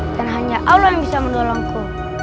dan hanya allah yang bisa menolongku